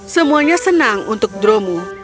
semuanya senang untuk dromu